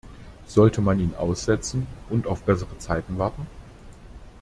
Sollte man ihn aussetzen und auf bessere Zeiten warten?